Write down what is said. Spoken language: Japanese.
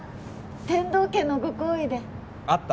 天堂家のご厚意で会った？